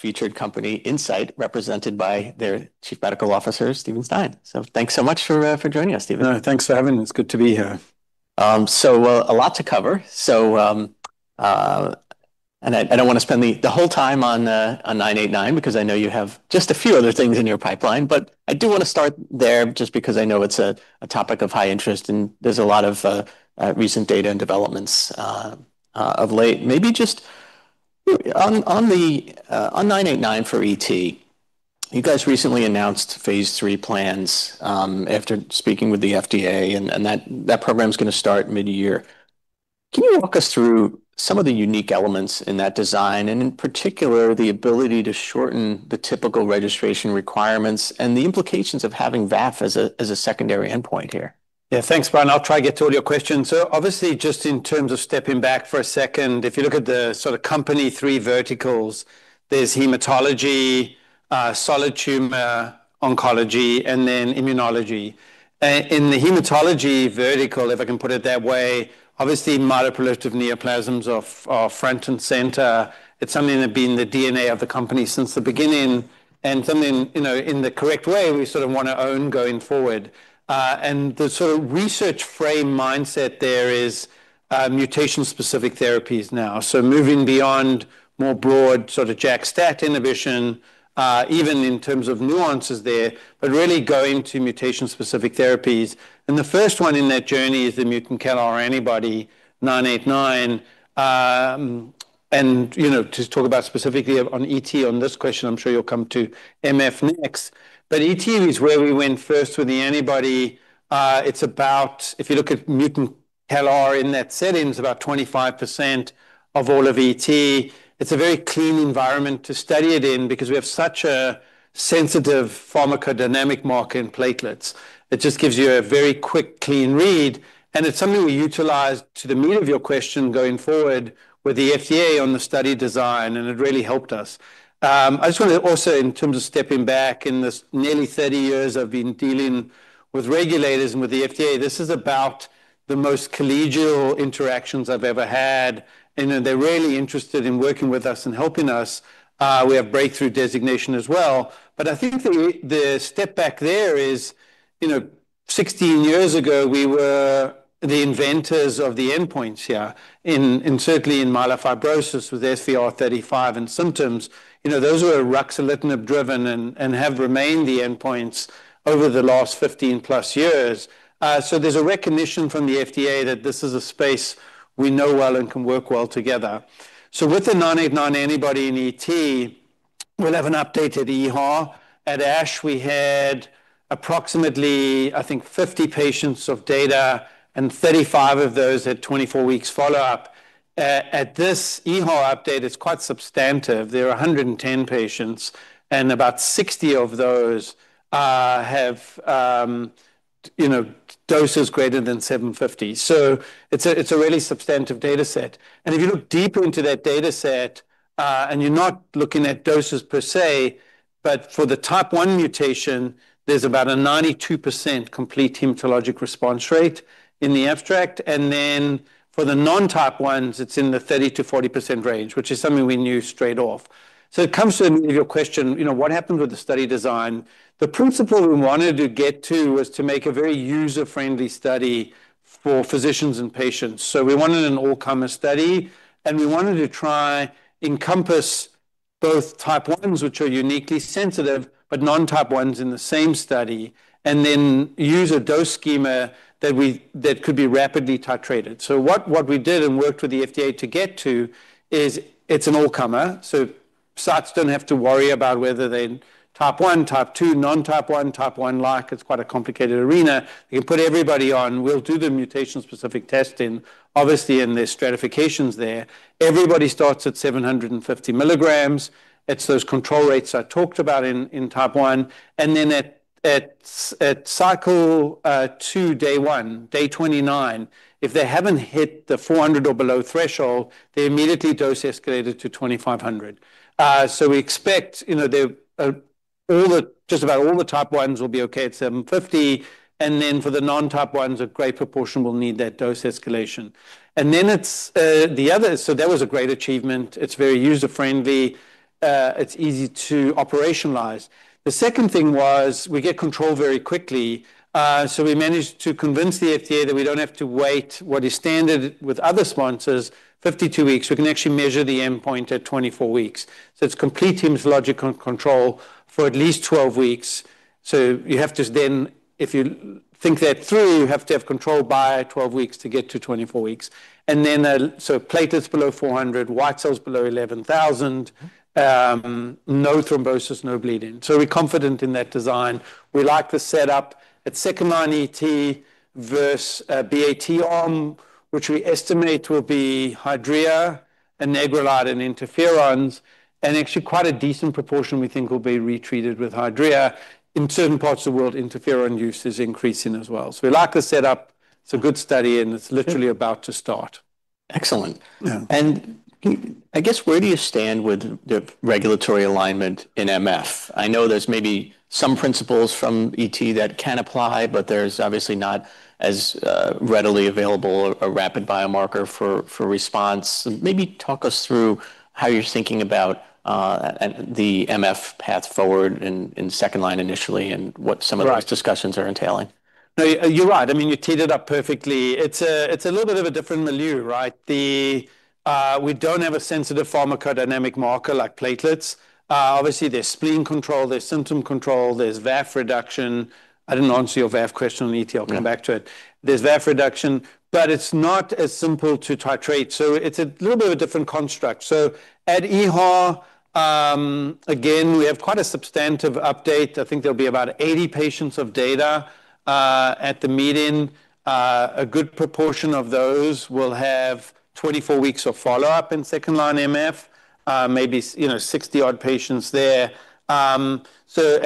Featured company, Incyte, represented by their Chief Medical Officer, Steven Stein. Thanks so much for joining us, Steven. Thanks for having me. It's good to be here. A lot to cover. I don't wanna spend the whole time on 989 because I know you have just a few other things in your pipeline. I do wanna start there just because I know it's a topic of high interest, and there's a lot of recent data and developments of late. Just on 989 for ET, you guys recently announced phase III plans after speaking with the FDA, and that program's gonna start mid-year. Can you walk us through some of the unique elements in that design, and in particular, the ability to shorten the typical registration requirements and the implications of having VAF as a secondary endpoint here? Yeah. Thanks, Brian. I'll try to get to all your questions. Obviously, just in terms of stepping back for a second, if you look at the sort of company three verticals, there's hematology, solid tumor oncology, and then immunology. In the hematology vertical, if I can put it that way, obviously myeloproliferative neoplasms are front and center. It's something that been the DNA of the company since the beginning, and something, you know, in the correct way we sort of wanna own going forward. The sort of research frame mindset there is mutation-specific therapies now. Moving beyond more broad sort of JAK-STAT inhibition, even in terms of nuances there, but really going to mutation-specific therapies. The first one in that journey is the mutant CALR antibody 989. You know, to talk about specifically on ET on this question, I'm sure you'll come to MF next. ET is where we went first with the antibody. It's about, if you look at mutant CALR in that setting, it's about 25% of all of ET. It's a very clean environment to study it in because we have such a sensitive pharmacodynamic marker in platelets. It just gives you a very quick, clean read, it's something we utilized to the meat of your question going forward with the FDA on the study design, and it really helped us. I just wanna also, in terms of stepping back in this nearly 30 years I've been dealing with regulators and with the FDA, this is about the most collegial interactions I've ever had, and they're really interested in working with us and helping us. We have breakthrough designation as well. I think the step back there is, you know, 16 years ago, we were the inventors of the endpoints here in certainly in myelofibrosis with SVR35 and symptoms. You know, those were ruxolitinib-driven and have remained the endpoints over the last 15+ years. There's a recognition from the FDA that this is a space we know well and can work well together. With the 989 antibody in ET, we'll have an updated EHA. At ASH, we had approximately, I think, 50 patients of data, and 35 of those had 24 weeks follow-up. At this EHA update, it's quite substantive. There are 110 patients, and about 60 of those have, you know, doses greater than 750. It's a really substantive data set. If you look deeper into that data set, and you're not looking at doses per se, but for the type one mutation, there's about a 92% complete hematologic response rate in the abstract. Then for the non-type ones, it's in the 30%-40% range, which is something we knew straight off. It comes to your question, you know, what happened with the study design? The principle we wanted to get to was to make a very user-friendly study for physicians and patients. We wanted an all-comer study, and we wanted to try encompass both type ones, which are uniquely sensitive, but non-type ones in the same study, and then use a dose schema that could be rapidly titrated. What we did and worked with the FDA to get to is it's an all-comer, so sites don't have to worry about whether they type one, type two, non-type one, type one-like. It's quite a complicated arena. You can put everybody on. We'll do the mutation-specific testing, obviously, and there's stratifications there. Everybody starts at 750 mg. It's those control rates I talked about in type one. Then at cycle two, day one, day 29, if they haven't hit the 400 or below threshold, they immediately dose escalated to 2,500. We expect, you know, just about all the type ones will be okay at 750, and then for the non-type ones, a great proportion will need that dose escalation. That was a great achievement. It's very user-friendly. It's easy to operationalize. The second thing was we get control very quickly, we managed to convince the FDA that we don't have to wait what is standard with other sponsors, 52 weeks. We can actually measure the endpoint at 24 weeks. It's complete hematological control for at least 12 weeks. You have to if you think that through, you have to have control by 12 weeks to get to 24 weeks. Platelets below 400, white cells below 11,000, no thrombosis, no bleeding. We're confident in that design. We like the setup. It's second-line ET versus BAT arm, which we estimate will be Hydrea and anagrelide and interferons, and actually quite a decent proportion we think will be retreated with Hydrea. In certain parts of the world, interferon use is increasing as well. We like the setup. It's a good study. It's literally about to start. Excellent. Yeah. I guess where do you stand with the regulatory alignment in MF? I know there's maybe some principles from ET that can apply, but there's obviously not as readily available a rapid biomarker for response. Maybe talk us through how you're thinking about the MF path forward in second line initially. Right. Those discussions are entailing. No, you're right. I mean, you teed it up perfectly. It's a little bit of a different milieu, right? We don't have a sensitive pharmacodynamic marker like platelets. There's spleen control, there's symptom control, there's VAF reduction. I didn't answer your VAF question on ET. Yeah. I'll come back to it. There's VAF reduction, but it's not as simple to titrate, so it's a little bit of a different construct. At EHA, again, we have quite a substantive update. I think there'll be about 80 patients of data at the meeting. A good proportion of those will have 24 weeks of follow-up in second-line MF, maybe you know, 60-odd patients there. And we're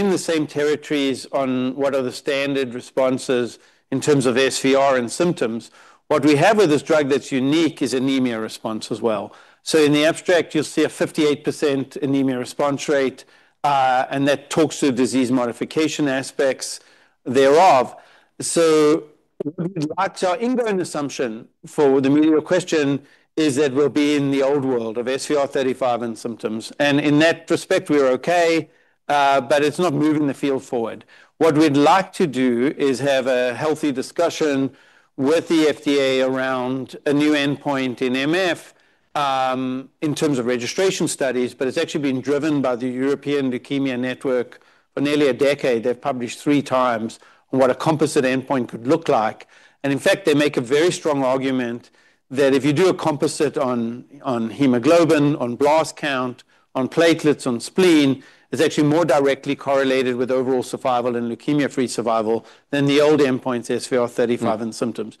in the same territories on what are the standard responses in terms of SVR and symptoms. What we have with this drug that's unique is anemia response as well. In the abstract, you'll see a 58% anemia response rate, and that talks to disease modification aspects thereof. Our ongoing assumption for the immediate question is that we'll be in the old world of SVR35 and symptoms. In that respect, we are okay, but it's not moving the field forward. What we'd like to do is have a healthy discussion with the FDA around a new endpoint in MF, in terms of registration studies, but it's actually been driven by the European Leukemia Network for nearly a decade. They've published three times on what a composite endpoint could look like. In fact, they make a very strong argument that if you do a composite on hemoglobin, on blast count, on platelets, on spleen, it's actually more directly correlated with overall survival and leukemia-free survival than the old endpoint SVR35 and symptoms.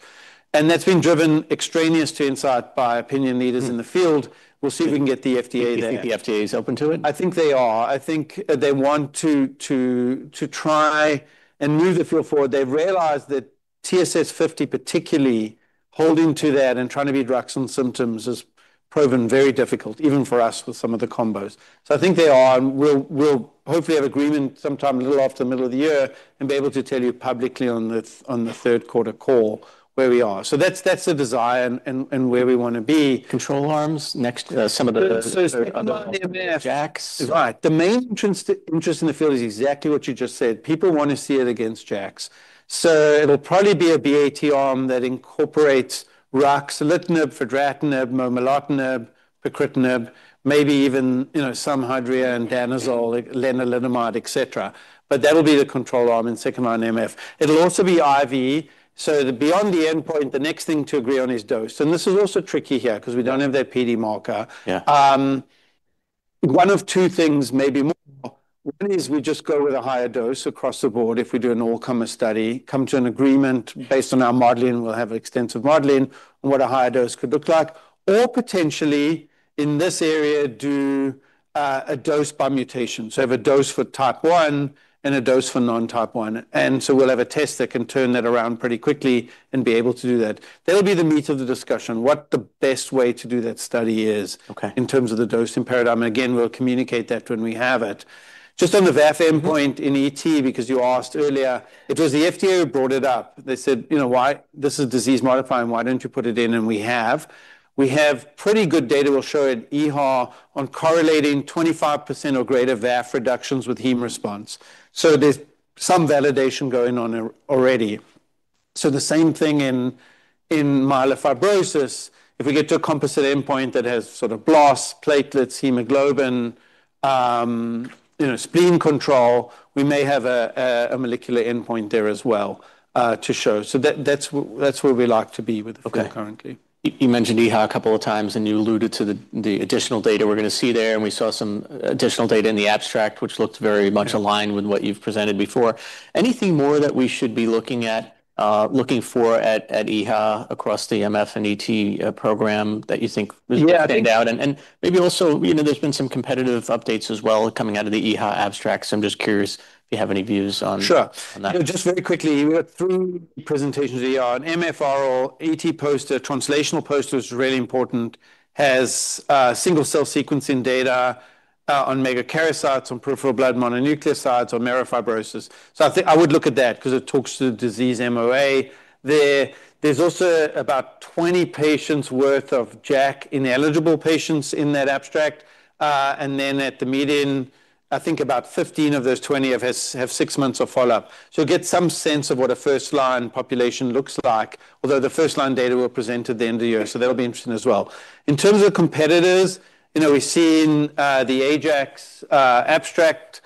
That's been driven extraneous to Incyte by opinion leaders in the field. We'll see if we can get the FDA there. Do you think the FDA is open to it? I think they are. I think they want to try and move the field forward. They've realized that TSS50 particularly holding to that and trying to beat drugs and symptoms has proven very difficult, even for us with some of the combos. I think they are, and we'll hopefully have agreement sometime a little after the middle of the year and be able to tell you publicly on the third quarter call where we are. That's the desire and where we wanna be. Control arms next, some of the other. Speaking on MF. JAKs. Right. The main interest in the field is exactly what you just said. People want to see it against JAKs. It will probably be a BAT arm that incorporates ruxolitinib, fedratinib, momelotinib, pacritinib, maybe even, you know, some Hydrea and danazol, like, lenalidomide, et cetera. That will be the control arm in second-line MF. It will also be IV. Beyond the endpoint, the next thing to agree on is dose. This is also tricky here because we don't have that PD marker. Yeah. One of two things, maybe more. One is we just go with a higher dose across the board if we do an all-comer study, come to an agreement based on our modeling. We'll have extensive modeling on what a higher dose could look like. Potentially, in this area, do a dose by mutation. Have a dose for type one and a dose for non-type one. We'll have a test that can turn that around pretty quickly and be able to do that. That'll be the meat of the discussion, what the best way to do that study is. Okay. In terms of the dosing paradigm. Again, we'll communicate that when we have it. Just on the VAF endpoint in ET, because you asked earlier, it was the FDA who brought it up. They said, "You know, why this is disease-modifying. Why don't you put it in?" We have. We have pretty good data we'll show at EHA on correlating 25% or greater VAF reductions with heme response. There's some validation going on already. The same thing in myelofibrosis. If we get to a composite endpoint that has sort of blast, platelets, hemoglobin, you know, spleen control, we may have a molecular endpoint there as well to show. That's where we like to be with the field currently. Okay. You mentioned EHA a couple of times, and you alluded to the additional data we're gonna see there, and we saw some additional data in the abstract, which looked very much. Yeah. Aligned with what you've presented before. Anything more that we should be looking at, looking for at EHA across the MF and ET program that you think we should- Yeah, I think- Point out? Maybe also, you know, there's been some competitive updates as well coming out of the EHA abstract, I'm just curious if you have any views on. Sure. On that. You know, just very quickly, we got three presentations at EHA, an MF oral, ET poster, translational poster is really important, has single-cell sequencing data on megakaryocytes, on peripheral blood mononuclear cells, on myelofibrosis. I would look at that because it talks to disease MOA there. There's also about 20 patients worth of JAK-ineligible patients in that abstract. At the meeting, I think about 15 of those 20 have six months of follow-up. You'll get some sense of what a first-line population looks like, although the first-line data will present at the end of the year, so that'll be interesting as well. In terms of competitors, you know, we've seen the Ajax abstract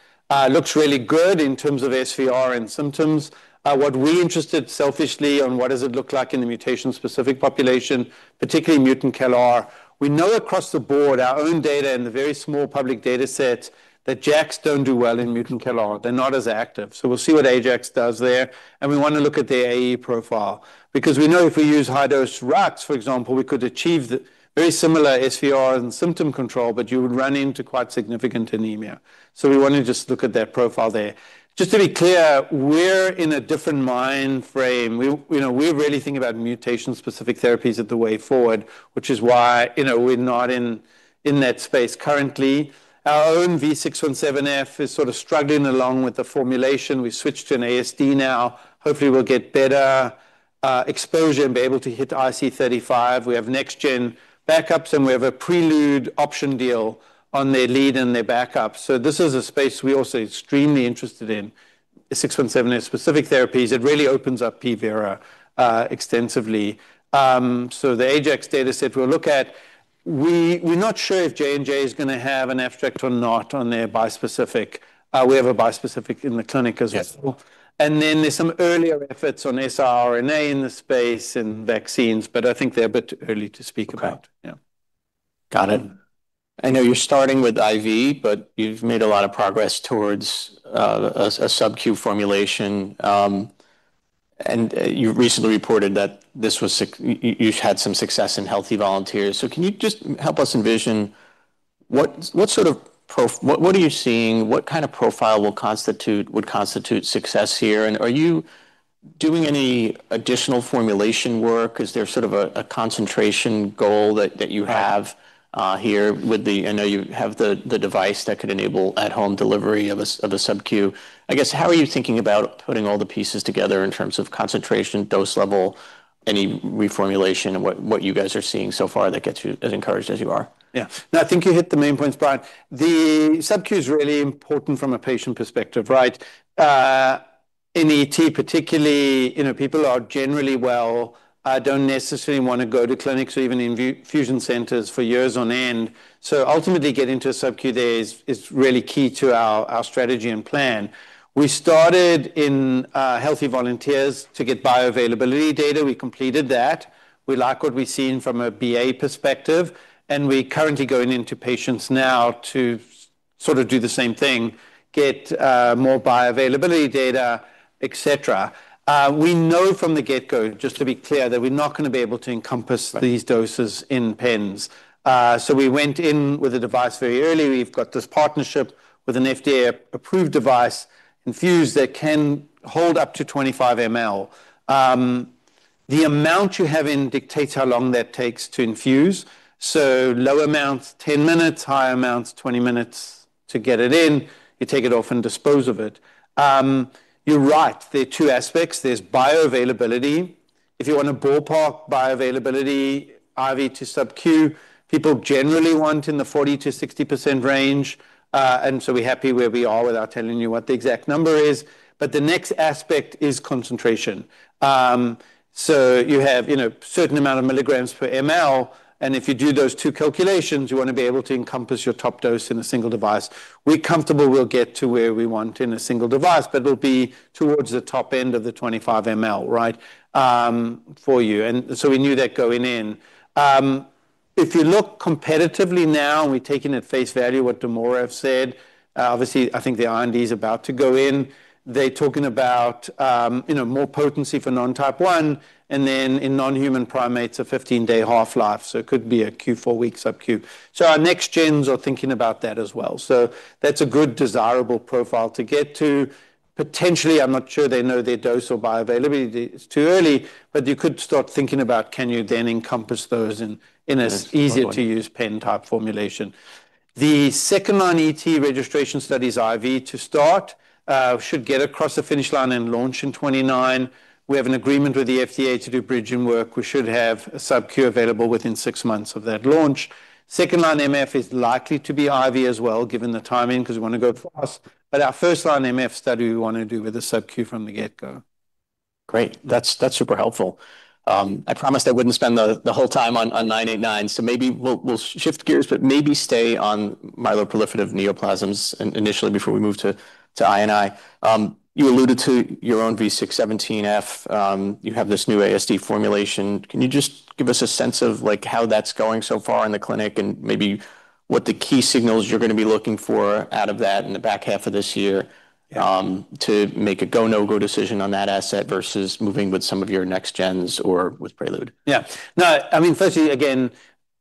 looks really good in terms of SVR and symptoms. What we're interested selfishly on what does it look like in the mutation-specific population, particularly mutant CALR. We know across the board our own data in the very small public dataset. JAKs don't do well in mutant CALR. They're not as active. We'll see what Ajax does there, and we wanna look at their AE profile because we know if we use high-dose rux, for example, we could achieve the very similar SVR and symptom control, but you would run into quite significant anemia. We wanna just look at their profile there. Just to be clear, we're in a different mind frame. We, you know, we really think about mutation-specific therapies as the way forward, which is why, you know, we're not in that space currently. Our own V617F is sort of struggling along with the formulation. We switched to an ASD now. Hopefully, we'll get better exposure and be able to hit IC35. We have next gen backups, we have a Prelude option deal on their lead and their backup. This is a space we're also extremely interested in, V617F specific therapies. It really opens up PV extensively. The Ajax dataset we'll look at, we're not sure if J&J is gonna have an effect or not on their bispecific. We have a bispecific in the clinic as well. Yes. There's some earlier efforts on siRNA in the space and vaccines, but I think they're a bit early to speak about. Okay. Yeah. Got it. I know you're starting with IV, but you've made a lot of progress towards a subQ formulation. You recently reported that you had some success in healthy volunteers. Can you just help us envision what are you seeing? What kind of profile would constitute success here? Are you doing any additional formulation work? Is there sort of a concentration goal that you have? Yeah. Here with the I know you have the device that could enable at-home delivery of a subQ. I guess, how are you thinking about putting all the pieces together in terms of concentration, dose level, any reformulation, and what you guys are seeing so far that gets you as encouraged as you are? I think you hit the main points, Brian. The subQ is really important from a patient perspective, right? In ET particularly, you know, people are generally well, don't necessarily wanna go to clinics or even infusion centers for years on end. Ultimately, getting to a subQ there is really key to our strategy and plan. We started in healthy volunteers to get bioavailability data. We completed that. We like what we've seen from a BA perspective, and we're currently going into patients now to sort of do the same thing, get more bioavailability data, et cetera. We know from the get-go, just to be clear, that we're not gonna be able to encompass these doses in pens. We went in with a device very early. We've got this partnership with an FDA-approved device enFuse that can hold up to 25 ml. The amount you have in dictates how long that takes to infuse. Low amounts, 10 minutes, high amounts, 20 minutes to get it in. You take it off and dispose of it. You're right. There are two aspects. There's bioavailability. If you wanna ballpark bioavailability, IV to subQ, people generally want in the 40%-60% range, we're happy where we are without telling you what the exact number is. The next aspect is concentration. You have, you know, certain amount of milligrams per ml, and if you do those two calculations, you wanna be able to encompass your top dose in a single device. We're comfortable we'll get to where we want in a single device, but it'll be towards the top end of the 25 ml, right, for you. We knew that going in. If you look competitively now, and we're taking at face value what [Morph] have said, obviously, I think the IND is about to go in. They're talking about, you know, more potency for non type one, and then in non-human primates, a 15-day half-life, so it could be a Q4-week subQ. Our next gens are thinking about that as well. That's a good desirable profile to get to. Potentially, I'm not sure they know their dose or bioavailability. It's too early, but you could start thinking about can you then encompass those in a easier-to-use pen type formulation. The second-line ET registration studies IV to start, should get across the finish line and launch in 2029. We have an agreement with the FDA to do bridging work. We should have a subQ available within six months of that launch. Second-line MF is likely to be IV as well given the timing 'cause we wanna go fast. Our first-line MF study we wanna do with a subQ from the get-go. Great. That's super helpful. I promised I wouldn't spend the whole time on 989, so maybe we'll shift gears, but maybe stay on myeloproliferative neoplasms and initially before we move to I&I. You alluded to your own V617F. You have this new ASD formulation. Can you just give us a sense of, like, how that's going so far in the clinic and maybe what the key signals you're gonna be looking for out of that in the back half of this year? Yeah. To make a go, no-go decision on that asset versus moving with some of your next gens or with Prelude? Yeah. No, I mean, firstly, again,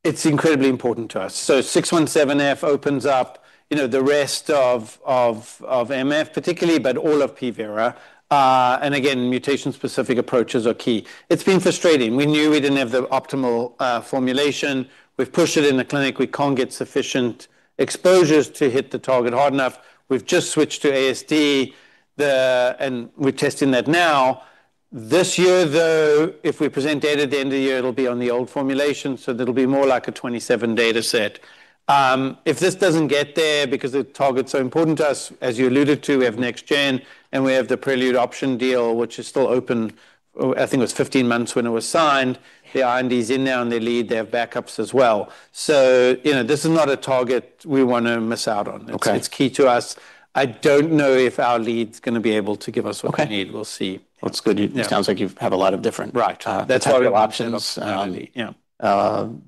it's incredibly important to us. 617F opens up, you know, the rest of MF particularly, but all of P Vera. Again, mutation-specific approaches are key. It's been frustrating. We knew we didn't have the optimal formulation. We've pushed it in the clinic. We can't get sufficient exposures to hit the target hard enough. We've just switched to ASD, and we're testing that now. This year, though, if we present data at the end of the year, it'll be on the old formulation, that'll be more like a 2027 dataset. If this doesn't get there because the target's so important to us, as you alluded to, we have next gen, we have the Prelude option deal, which is still open. I think it was 15 months when it was signed. The R&D is in there on their lead. They have backups as well. You know, this is not a target we wanna miss out on. Okay. It's key to us. I don't know if our lead's gonna be able to give us what we need. Okay. We'll see. That's good. Yeah. It sounds like you have a lot of different. Right. Type of options. That's why we have options.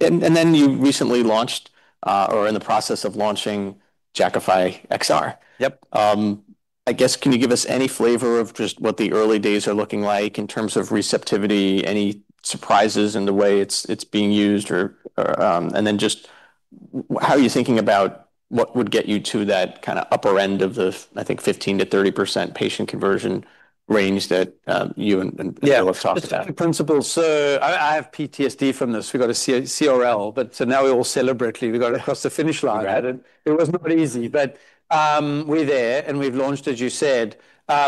Yeah. You recently launched, or are in the process of launching Jakafi XR. Yep. I guess can you give us any flavor of just what the early days are looking like in terms of receptivity? Any surprises in the way it's being used or, Then just how are you thinking about what would get you to that kinda upper end of the, I think, 15%-30% patient conversion range that you and Bill have talked about? Yeah. It's just the principle. I have PTSD from this. We got a C- CRL. Now we all celebrate we got across the finish line. Right. It was not easy. We're there, and we've launched, as you said.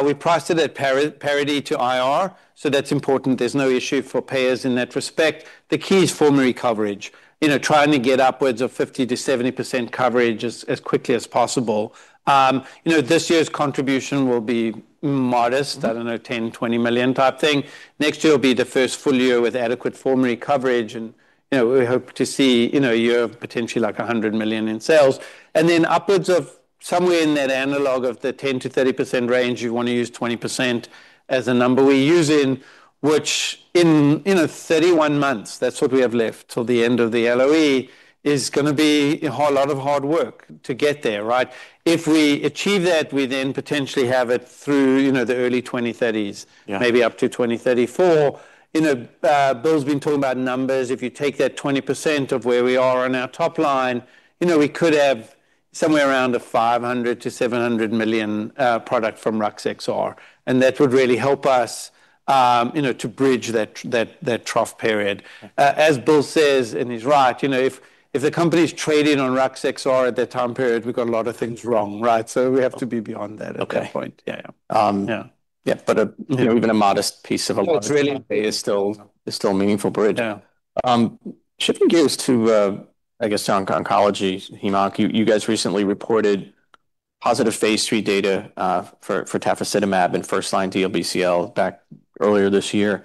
We priced it at parity to IR, that's important. There's no issue for payers in that respect. The key is formulary coverage, you know, trying to get upwards of 50%-70% coverage as quickly as possible. You know, this year's contribution will be modest. I don't know, $10 million-$20 million type thing. Next year will be the first full year with adequate formulary coverage, and, you know, we hope to see, you know, a year of potentially, like, $100 million in sales. Then upwards of somewhere in that analog of the 10%-30% range, you'd want to use 20% as the number we use in, which in, you know, 31 months, that's what we have left till the end of the LOE, is gonna be a whole lot of hard work to get there, right? If we achieve that, we then potentially have it through, you know, the early 2030s. Yeah. Maybe up to 2034. You know, Bill's been talking about numbers. If you take that 20% of where we are on our top line, you know, we could have somewhere around a $500 million-$700 million product from Rux XR, and that would really help us, you know, to bridge that trough period. Okay. As Bill says, and he's right, you know, if the company's trading on Rux XR at that time period, we've got a lot of things wrong, right? We have to be beyond that. Okay. At that point. Yeah, yeah. Um- Yeah. Yeah, but You know Even a modest piece of. Well. Is still a meaningful bridge. Yeah. Shifting gears to, I guess, on oncology, heme onc. You guys recently reported positive phase III data for tafasitamab in first-line DLBCL back earlier this year.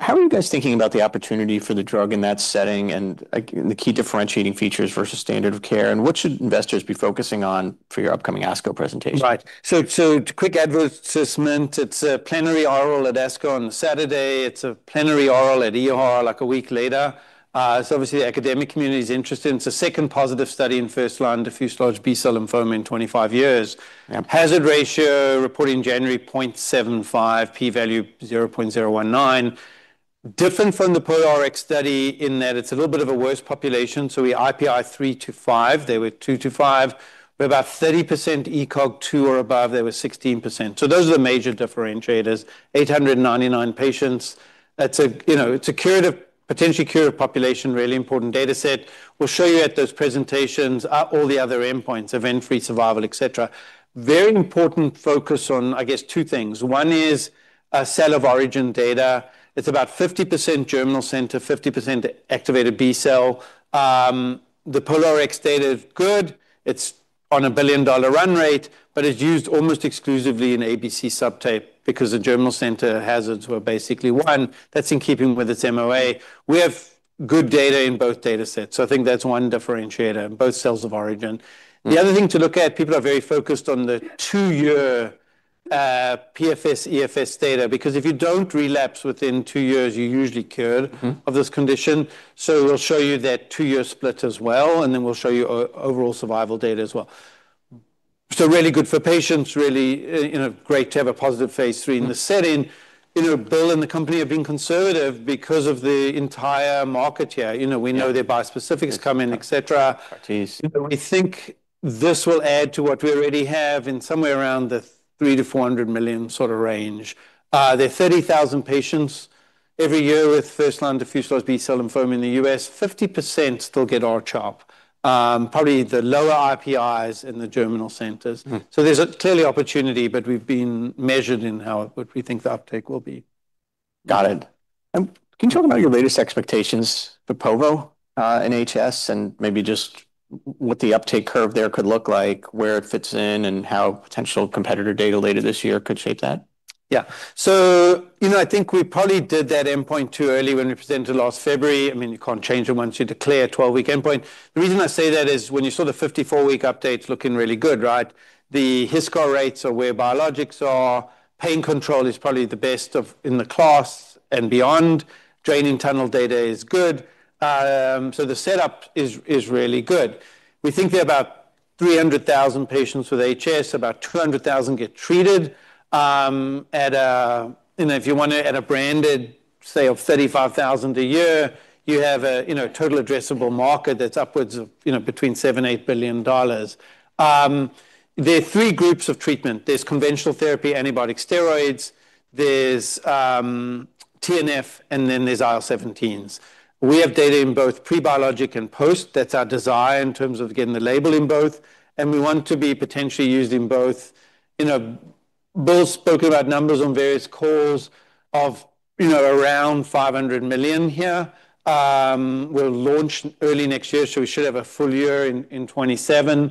How are you guys thinking about the opportunity for the drug in that setting and, like, the key differentiating features versus standard of care? What should investors be focusing on for your upcoming ASCO presentation? Right. so quick advertisement. It's a plenary oral at ASCO on Saturday. It's a plenary oral at EHA like a week later. Obviously the academic community's interested. It's the second positive study in first-line diffuse large B-cell lymphoma in 25 years. Yeah. Hazard ratio reported in January 0.75, P value 0.019. Different from the POLARIX study in that it's a little bit of a worse population, so we IPI three to five. They were two to five. We're about 30% ECOG two or above. They were 16%. Those are the major differentiators. 899 patients. That's a, you know, it's a curative, potentially curative population, really important data set. We'll show you at those presentations, all the other endpoints, event-free survival, et cetera. Very important focus on, I guess, two things. One is, cell of origin data. It's about 50% germinal center, 50% activated B cell. The POLARIX data is good. It's on a $1 billion run rate, but it's used almost exclusively in ABC subtype because the germinal center hazards were basically one. That's in keeping with its MOA. We have good data in both data sets, so I think that's one differentiator, both cells of origin. The other thing to look at, people are very focused on the two-year PFS, EFS data because if you don't relapse within two years, you're usually cured of this condition. We'll show you that two-year split as well, and then we'll show you overall survival data as well. Really good for patients, really, you know, great to have a positive phase III in the setting. You know, Bill and the company have been conservative because of the entire market here. Yeah. Their bispecifics coming, et cetera. We think this will add to what we already have in somewhere around the $300 million-$400 million sort of range. There are 30,000 patients every year with first-line diffuse large B-cell lymphoma in the U.S. 50% still get R-CHOP, probably the lower IPIs in the germinal centers. There's a clear opportunity, but we've been measured in how, what we think the uptake will be. Got it. Can you talk about your latest expectations for povo in HS and maybe just what the uptake curve there could look like, where it fits in, and how potential competitor data later this year could shape that? Yeah. you know, I think we probably did that endpoint too early when we presented last February. I mean, you can't change it once you declare a 12-week endpoint. The reason I say that is when you saw the 54-week update's looking really good, right? The HiSCR rates are where biologics are. Pain control is probably the best of, in the class and beyond. Draining tunnel data is good. The setup is really good. We think there are about 300,000 patients with HS. About 200,000 get treated, at a, you know, if you want to, at a branded, say, of 35,000 a year, you have a, you know, total addressable market that's upwards of, you know, between $7 billion-$8 billion. There are three groups of treatment. There's conventional therapy, antibiotic steroids. There's TNF, and then there's IL-17s. We have data in both pre-biologic and post. That's our desire in terms of getting the label in both, and we want to be potentially used in both. You know, Bill spoke about numbers on various calls of, you know, around $500 million here. We'll launch early next year, so we should have a full year in 2027.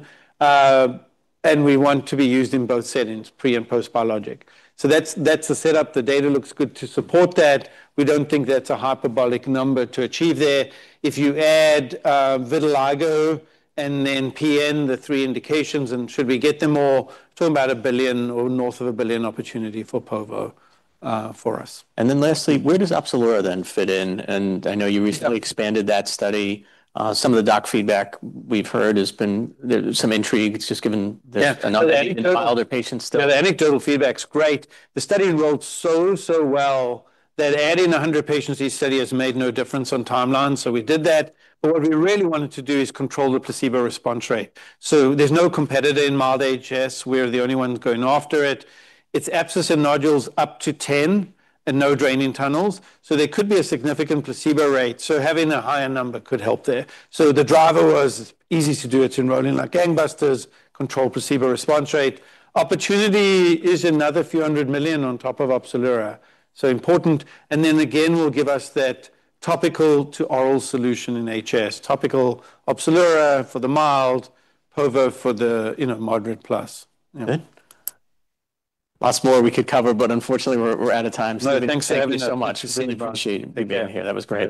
We want to be used in both settings, pre- and post-biologic. That's the setup. The data looks good to support that. We don't think that's a hyperbolic number to achieve there. If you add vitiligo and then PN, the three indications, and should we get them all, talking about a $1 billion or north of $1 billion opportunity for povo for us. Lastly, where does OPZELURA then fit in? I know you recently- Yeah. Expanded that study. Some of the doc feedback we've heard has been there's some intrigue. It's just given the. Yeah Number of older patients The anecdotal feedback's great. The study enrolled so well that adding 100 patients to each study has made no difference on timelines, we did that. What we really wanted to do is control the placebo response rate. There's no competitor in mild HS. We're the only ones going after it. It's abscess and nodules up to 10 and no draining tunnels, there could be a significant placebo rate, having a higher number could help there. The driver was easy to do. It's enrolling like gangbusters, control placebo response rate. Opportunity is another few hundred million on top of OPZELURA, important. Again, will give us that topical to oral solution in HS. Topical OPZELURA for the mild, povo for the, you know, moderate plus. Okay. Lots more we could cover, but unfortunately, we're out of time. No, thank you for having us. Thanks so much. It's been a pleasure. Really appreciate you being here. That was great.